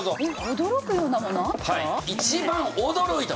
驚くようなものあった？